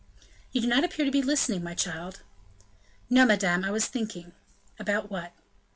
"You do not appear to be listening, my child." "No, madame, I was thinking." "About what?"